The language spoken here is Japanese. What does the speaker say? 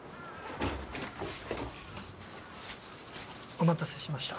お待たせしました。